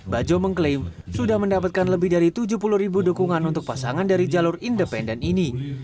bajo mengklaim sudah mendapatkan lebih dari tujuh puluh ribu dukungan untuk pasangan dari jalur independen ini